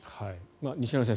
西成先生